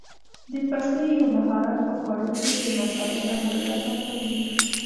د پخلي یو مهارت په خوړو کې د مسالې اندازه ټاکل دي.